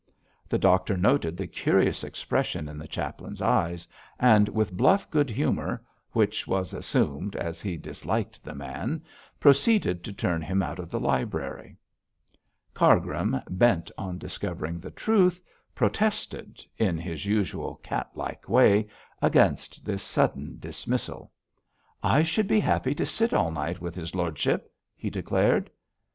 The doctor noted the curious expression in the chaplain's eyes, and with bluff good humour which was assumed, as he disliked the man proceeded to turn him out of the library. Cargrim bent on discovering the truth protested, in his usual cat like way, against this sudden dismissal. 'I should be happy to sit up all night with his lordship,' he declared.